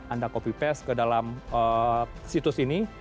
anda copy paste ke dalam situs ini